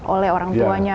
oleh orang tuanya